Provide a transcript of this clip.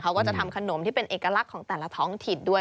เขาก็จะทำขนมที่เป็นเอกลักษณ์ของแต่ละท้องถิ่นด้วย